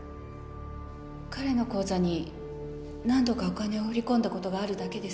彼の口座に何度かお金を振り込んだことがあるだけです。